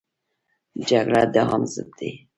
جګړه د علم ضد دی